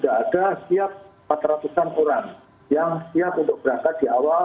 nah kemudian kami bersuat kepada seluruh negara silakan untuk daftar omicron di awal